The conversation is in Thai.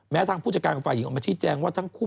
ทางผู้จัดการของฝ่ายหญิงออกมาชี้แจงว่าทั้งคู่